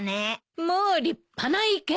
もう立派な池よ。